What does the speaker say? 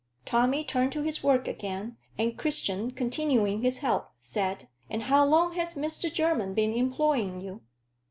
Tommy turned to his work again, and Christian, continuing his help, said, "And how long has Mr. Jermyn been employing you?"